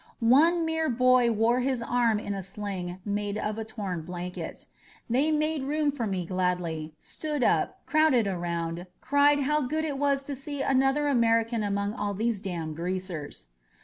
One mere boy wore his arm in a sling made out of a torn blanket. They made room for me gladly, stood up, crowded around, cried how good it was to see another American among all these danmed greasers.